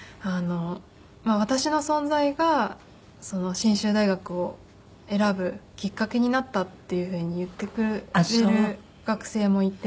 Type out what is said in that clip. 私の存在が信州大学を選ぶきっかけになったっていうふうに言ってくれる学生もいて。